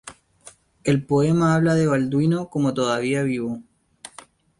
El poema habla de Balduino como todavía vivo.